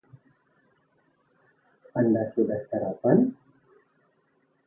Anda sudah sarapan?